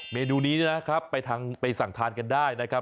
เมนูนี้นะครับไปสั่งทานกันได้นะครับ